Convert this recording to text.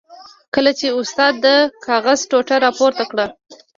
کله چې استاد د کاغذ ټوټه را پورته کړه.